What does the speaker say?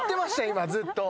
今ずっと。